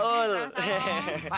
tentu saja pak